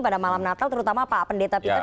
pada malam natal terutama pak pendeta pita